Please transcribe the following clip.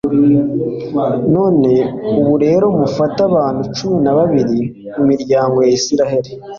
none ubu rero, mufate abantu cumi na babiri mu miryango ya israheli